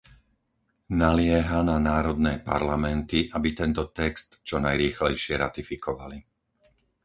Nalieha na národné parlamenty, aby tento text čo najrýchlejšie ratifikovali.